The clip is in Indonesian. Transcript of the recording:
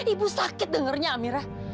ibu sakit dengernya amira